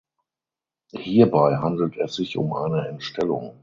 Hierbei handelt es sich um eine Entstellung.